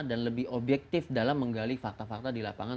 dan lebih objektif dalam menggali fakta fakta di lapangan